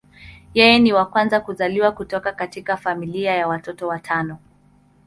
Yeye ni wa kwanza kuzaliwa kutoka katika familia ya watoto watano.